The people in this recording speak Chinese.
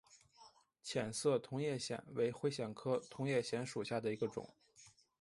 淡色同叶藓为灰藓科同叶藓属下的一个种。